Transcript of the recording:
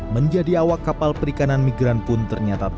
menjadi awak kapal perikanan migran pun ternyata